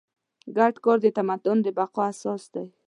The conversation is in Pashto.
ګډ کار د تمدن د بقا اساس دی.